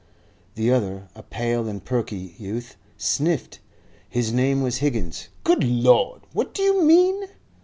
The other, a pale and perky youth, sniffed. His name was Higgins. "Good Lord! What do you mean?"